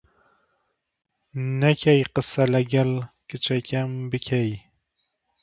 نەکەی قسە لەگەڵ کچەکەم بکەی.